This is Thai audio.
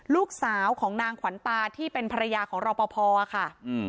ลูกสาวของนางขวัญตาที่เป็นภรรยาของรอปภค่ะ